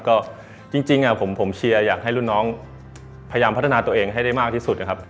ก็จริงผมเชียร์อยากให้รุ่นน้องพยายามพัฒนาตัวเองให้ได้มากที่สุดนะครับ